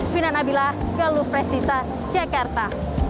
fina nabilah keluh presidisa jakarta